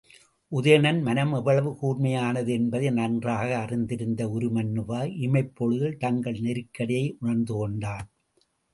உதயணன் மனம் எவ்வளவு கூர்மையானது என்பதை நன்றாக அறிந்திருந்த உருமண்ணுவா இமைப் பொழுதில் தங்கள் நெருக்கடியை உணர்ந்துகொண்டான்.